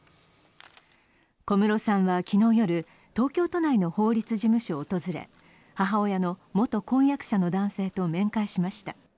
小室さんは昨日夜、東京都内の法律事務所を訪れ母親の元婚約者の男性と面会しました。